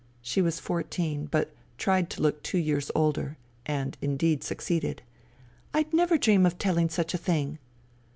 She was fourteen, but tried to look two years older, and indeed succeeded. " I'd never dream of telling such a thing."